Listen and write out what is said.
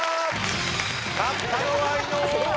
勝ったのは伊野尾。